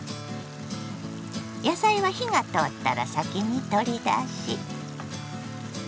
野菜は火が通ったら先に取り出し。